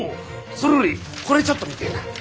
それよりこれちょっと見てえな。